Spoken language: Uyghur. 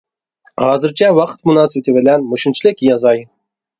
ھازىرچە ۋاقىت مۇناسىۋىتى بىلىن مۇشۇنچىلىك يازاي.